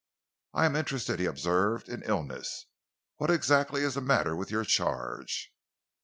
"I am interested," he observed, "in illness. What exactly is the matter with your charge?"